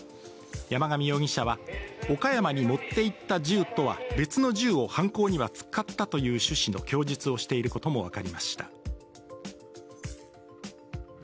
山上容疑者は岡山に持っていった銃とは別の銃を犯行には使ったという趣旨の供述をしていることも分かりました。